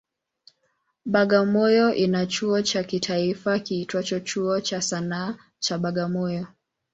Bagamoyo ina chuo cha kitaifa kiitwacho Chuo cha Sanaa cha Bagamoyo.